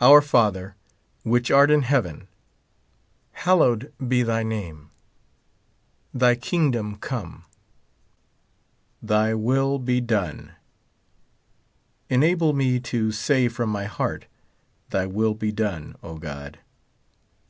Our Father, which art in heaven, hallowed be thy name. Thy kingdom come. Thy will be done. Enable me to say from my heart, Thy will be done, O God.